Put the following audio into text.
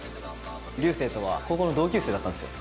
流星とは高校の同級生だったんですよ。